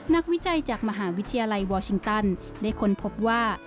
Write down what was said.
วิจัยจากมหาวิทยาลัยวอร์ชิงตันได้ค้นพบว่า